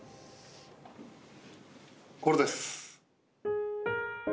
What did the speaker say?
これです。